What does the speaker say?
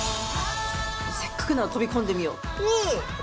せっかくなら飛び込んでみよう。